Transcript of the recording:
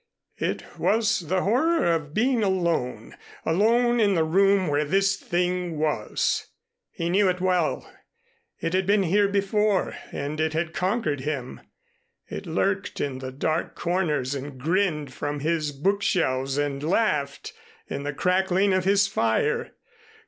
It was the horror of being alone, alone in the room where this thing was. He knew it well. It had been here before and it had conquered him. It lurked in the dark corners and grinned from his bookshelves and laughed in the crackling of his fire.